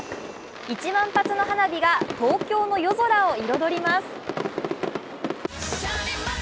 １万発の花火が東京の夜空を彩ります。